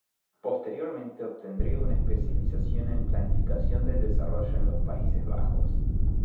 Posteriormente obtendría una especialización en planificación del desarrollo en los Países Bajos.